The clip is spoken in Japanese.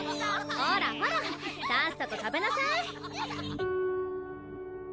ほらほらさっさと食べなさい！